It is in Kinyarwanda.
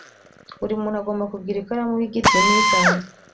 buri muntu agomba kugira ikaramu y’igiti n’isanzwe